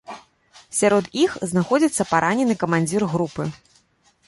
Сярод іх знаходзіцца паранены камандзір групы.